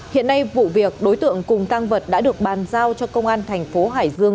hiện nay vụ việc đối tượng cùng tăng vật đã được bàn giao cho công an thành phố hải dương